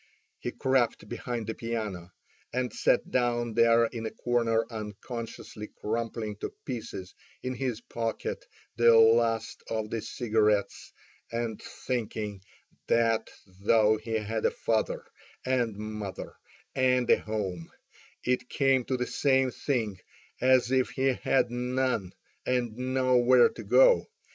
He crept behind the piano, and sat down there in a corner unconsciously crumpling to pieces in his pocket the last of the cigarettes, and thinking that though he had a father and mother and a home, it came to the same thing as if he had none, and nowhere to go to.